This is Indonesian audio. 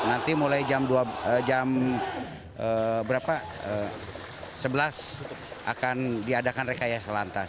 nanti mulai jam sebelas akan diadakan rekayasa lantas